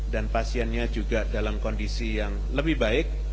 dan pasiennya juga dalam kondisi yang lebih baik